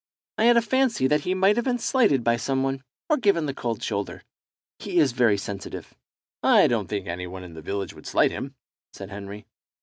"I had a fancy that he might have been slighted by some one, or given the cold shoulder. He is very sensitive." "I don't think any one in the village would slight him," said Henry.